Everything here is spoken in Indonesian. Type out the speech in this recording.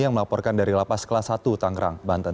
yang melaporkan dari lapas kelas satu tangerang banten